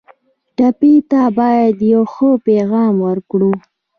ټپي ته باید یو ښه پیغام ورکړو.